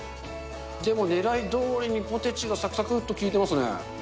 でもねらいどおりにポテチがさくさくっと効いてますね。